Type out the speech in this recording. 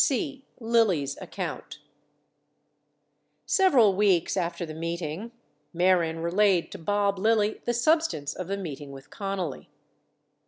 c. Lilly's Account Several weeks after the meeting, Mehren relayed to Bob Lilly the substance of the meeting with Connally.